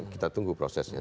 kita tunggu prosesnya